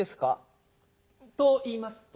といいますと？